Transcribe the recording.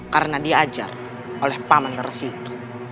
karena diajar oleh paman nersi itu